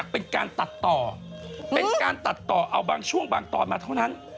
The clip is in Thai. เป็นการตัดต่อเป็นการตัดต่อเอาบางช่วงบางตอนมาเท่านั้น